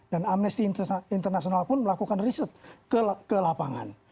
amnesty international pun melakukan riset ke lapangan